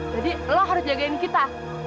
jadi lo harus jagain kita